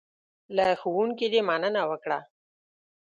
له ښوونکي دې مننه وکړه .